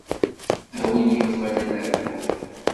A win yufan ad nerbeḥ.